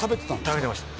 食べてました